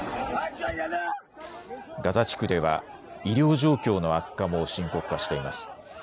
ガザ地区では医療状況の悪化も深刻化しています。